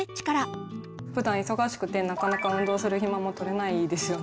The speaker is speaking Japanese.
ふだん忙しくてなかなか運動する暇もとれないですよね。